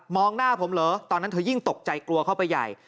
หน้าผมเหรอตอนนั้นเธอยิ่งตกใจกลัวเข้าไปใหญ่